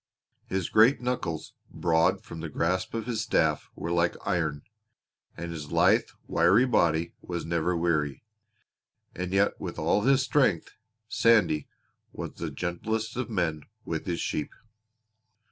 His great knuckles, broad from the grasp of his staff, were like iron; and his lithe, wiry body was never weary. And yet with all his strength Sandy was the gentlest of men with his sheep.